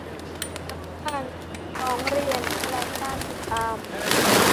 ทั้งการร้องเรียนและ การติดตาม